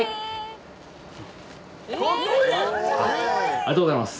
ありがとうございます。